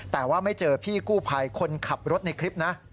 แต่ว่าไม่เจอพี่กู้ภัยคนขับรถในคลิปนะ